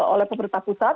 oleh pemerintah pusat